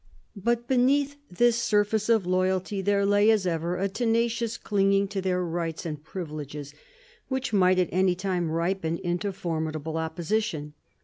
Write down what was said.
But beneath this surface of loyalty there lay, as ever, a tenacious clinging to their rights and privileges, which might at any time ripen into formidable opposition.